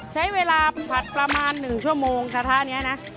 ใช้เวลาผัดประมาณ๑ชั่วโมงกระทะนี้นะ